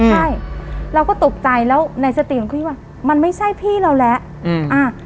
ใช่เราก็ตกใจแล้วในสติของเขาคิดว่ามันไม่ใช่พี่เราแล้วอืมอ่า